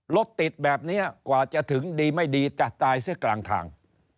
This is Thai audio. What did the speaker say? รถติดแบบนี้กว่าจะถึงดีไม่ดีจะตายเสียกลางทาง